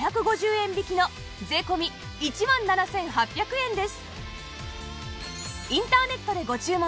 円引きの税込１万７８００円です